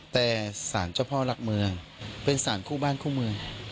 แต่สารเจ้าพ่อหลักเมืองเป็นสารคู่บ้านคู่เมือง